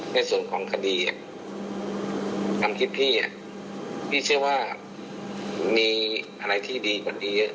ในส่วนของคดีความคิดพี่พี่เชื่อว่ามีอะไรที่ดีกว่านี้เยอะ